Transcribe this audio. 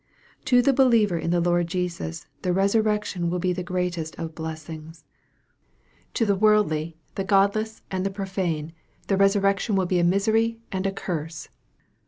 To the believer in the Lord Jesus, the resurrec tion will be the greatest of blessings. To the worldly, the godless, and the profane, the resurrection will be a 260 EXPOSITORY THOUGHTS. misery and a curse.